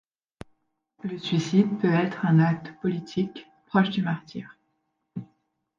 Le suicide peut être un acte politique, proche du martyre.